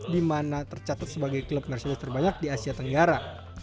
di mana tercatat sebagai klub mercedes terbanyak di asia tenggara